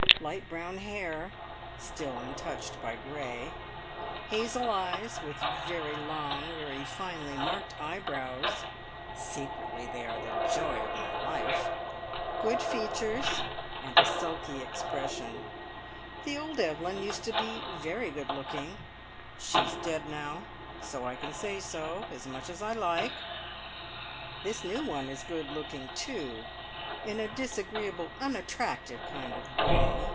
Light brown hair, "still untouched by grey," hazel eyes with very long, very finely marked eyebrows (secretly they are the joy of my life!) good features, and a sulky expression. The old Evelyn used to be very good looking (she's dead now, so I can say so, as much as I like) this new one is good looking too, in a disagreeable, unattractive kind of way.